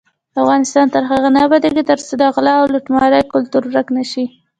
افغانستان تر هغو نه ابادیږي، ترڅو د غلا او لوټمار کلتور ورک نشي.